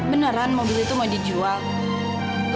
beneran mobil itu mau dijual